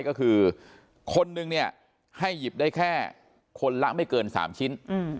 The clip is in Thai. ก็คือคนนึงเนี่ยให้หยิบได้แค่คนละไม่เกิน๓ชิ้น